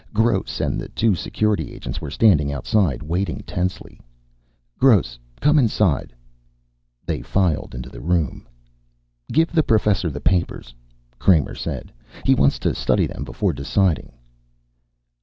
Gross and the two Security Agents were standing outside, waiting tensely. "Gross, come inside." They filed into the room. "Give the Professor the papers," Kramer said. "He wants to study them before deciding."